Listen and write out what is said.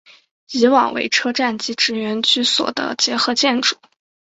以往为车站及职员居所的结合建筑。